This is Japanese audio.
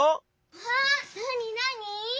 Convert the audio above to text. わっなになに？